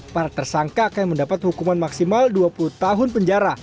para tersangka akan mendapat hukuman maksimal dua puluh tahun penjara